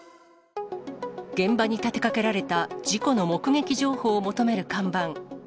現場に立てかけられた、事故の目撃情報を求める看板。